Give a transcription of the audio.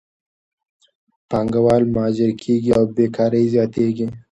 پانګهوال مهاجر کېږي او بیکارۍ زیاتېږي.